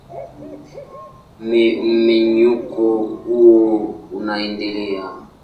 Mmenyuko huo unaendelea.